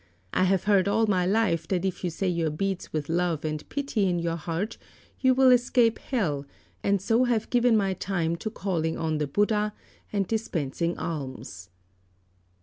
I have heard all my life that if you say your beads with love and pity in your heart you will escape hell, and so have given my time to calling on the Buddha, and dispensing alms."